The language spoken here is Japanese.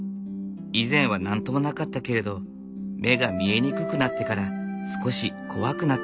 以前は何ともなかったけれど目が見えにくくなってから少し怖くなっていたベニシアさん。